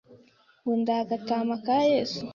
ngo Ndi agatama ka Yesu”!